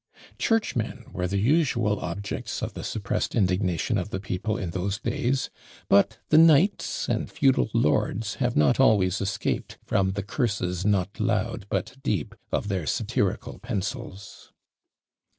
Churchmen were the usual objects of the suppressed indignation of the people in those days; but the knights and feudal lords have not always escaped from the "curses not loud, but deep," of their satirical pencils.